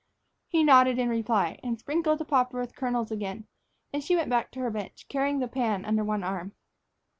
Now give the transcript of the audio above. He nodded in reply, and sprinkled the popper with kernels again, and she went back to her bench, carrying the pan under one arm.